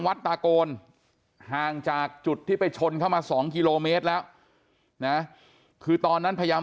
วัดตาโกนห่างจากจุดที่ไปชนเข้ามา๒กิโลเมตรแล้วนะคือตอนนั้นพยายาม